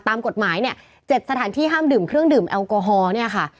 ตามกฎหมายเนี่ย๗สถานที่ห้ามดื่มเครื่องดื่มแอลกอฮอล์เนี่ยค่ะ